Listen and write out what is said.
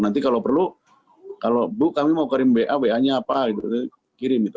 nanti kalau perlu kalau bu kami mau kirim ba ba nya apa gitu kirim itu